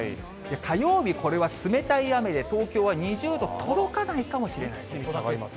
火曜日、これは冷たい雨で、東京は２０度届かないかもしれないです。